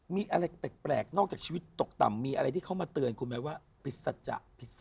มีอะไรแปลกนอกจากชีวิตตกต่ำมีอะไรที่เขามาเตือนคุณไหมว่าผิดสัจจะผิด